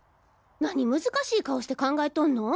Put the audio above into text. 何むずかしい顔して考えとんの？